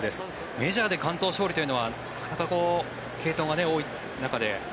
メジャーで完投勝利というのはなかなか継投が多い中で。